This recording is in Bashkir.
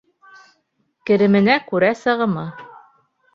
Кеременә күрә сығымы.